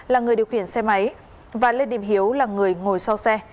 là người điều khiển xe máy và lê điệp hiếu là người ngồi sau xe